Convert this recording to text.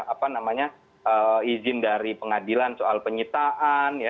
apa namanya izin dari pengadilan soal penyitaan